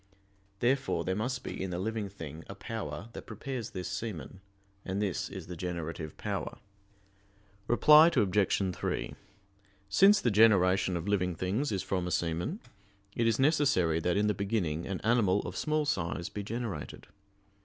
Therefore there must be in the living thing a power that prepares this semen; and this is the generative power. Reply Obj. 3: Since the generation of living things is from a semen, it is necessary that in the beginning an animal of small size be generated.